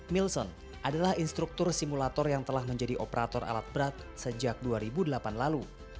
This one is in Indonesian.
milson adalah instruktur simulator yang telah menjadi operator alat berat sejak dua ribu delapan lalu